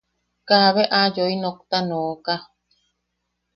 Kaabe aa yoi nokta nooka.